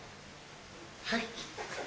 はい。